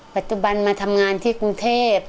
ปัจจุบันมาทำงานที่กรุงเทพ